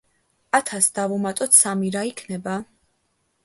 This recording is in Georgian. ათს დავუმატოთ სამი რა იქნება?